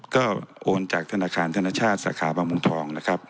ก็โอนจากธนาคารธนชาติสาขาบางโมทอง